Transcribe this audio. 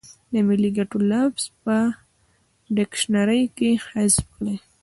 د ملي ګټو لفظ په ډکشنري کې حذف کړي.